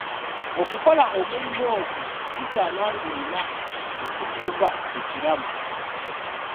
Okukola omulimu ogwo kisaana ng'olina ekidduka ekiramu.